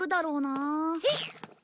えっ！